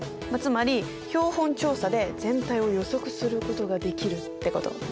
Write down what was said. つまり標本調査で全体を予測することができるってこと。